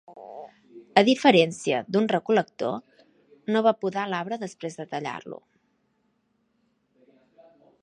A diferència d'un recol·lector, no va podar l'arbre després de tallar-lo.